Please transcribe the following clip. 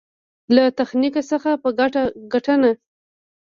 له تخنيک څخه په ګټنه.